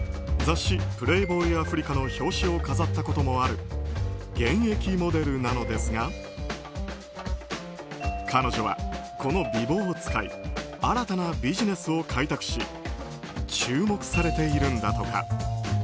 雑誌「プレイボーイ・アフリカ」の表紙を飾ったこともある現役モデルなのですが彼女はこの美貌を使い新たなビジネスを開拓し注目されているんだとか。